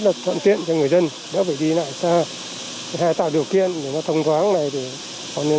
là toàn thiện cho người dân nó phải đi lại xa hay tạo điều kiện để nó thông thoáng này thì còn nhân